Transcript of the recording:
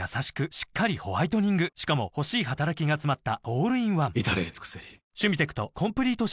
しっかりホワイトニングしかも欲しい働きがつまったオールインワン至れり尽せり男性）